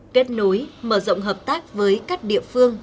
kết nối mở rộng hợp tác với các địa phương